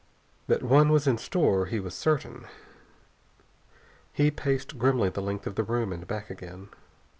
That one was in store he was certain. He paced grimly the length of the room and back again....